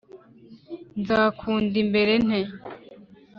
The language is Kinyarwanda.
nzakunda imbere nte ?